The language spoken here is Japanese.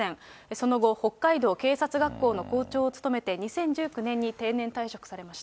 その後、北海道警察学校の校長を務めて、２０１９年に定年退職されました。